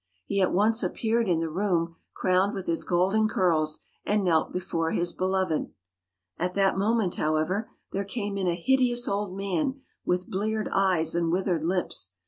He at once appeared in the room, crowned with his golden curls, and knelt before his beloved. At that moment, however, there came in a hideous old man, with bleared eyes and withered lips.